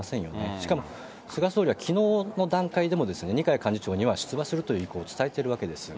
しかも菅総理はきのうの段階でも、二階幹事長には出馬するという意向を伝えてるわけです。